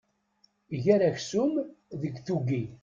Ger aksum deg tuggi.